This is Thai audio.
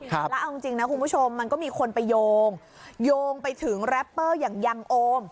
แล้วเอาจริงนะคุณผู้ชมมันก็มีคนไปโยงโยงไปถึงแรปเปอร์อย่างยังโอม